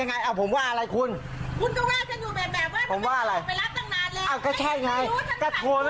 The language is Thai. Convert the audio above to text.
เนี่ยก็ไม่รู้ว่าใช่ไงก็โทร